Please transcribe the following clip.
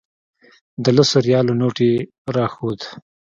د لسو ریالو نوټ یې راښود.